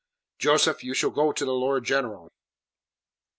"Joseph, you shall go to the Lord General."